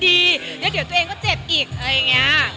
เดี๋ยวตัวเองก็เจ็บอีกอะไรอย่างนี้